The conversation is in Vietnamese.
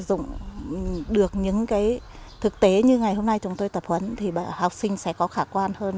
sử dụng được những cái thực tế như ngày hôm nay chúng tôi tập huấn thì học sinh sẽ có khả quan hơn